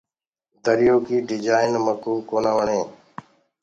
دريو ڪيٚ ڊجآئين ميڪوُ ڪونآ وڻي۔